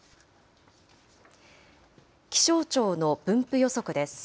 気象庁の分布予測です。